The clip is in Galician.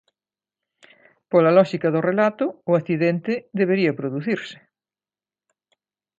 Pola lóxica do relato, o accidente debería producirse.